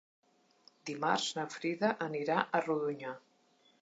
Dimarts na Frida anirà a Rodonyà.